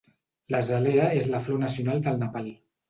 L'azalea és la flor nacional del Nepal.